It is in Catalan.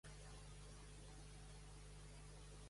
Lady Isle és la llar d'un interessant far.